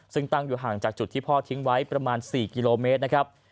ซึ่งตั้งอยู่ห่างจากจุดที่พ่อทิ้งไว้ประมาณ๔กิโลเมตรนะครับ